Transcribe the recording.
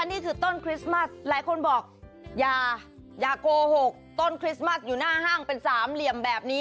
นี่คือต้นคริสต์มัสหลายคนบอกอย่าโกหกต้นคริสต์มัสอยู่หน้าห้างเป็นสามเหลี่ยมแบบนี้